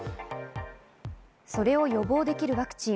それを予防できるワクチン。